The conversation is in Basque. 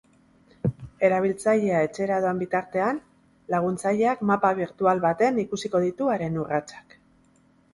Erabiltzailea etxera doan bitartean, laguntzaileak mapa birtual batean ikusiko ditu haren urratsak.